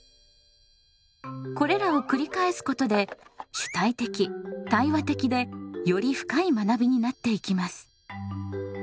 これらを繰り返すことで主体的対話的でより深い学びになっていきます。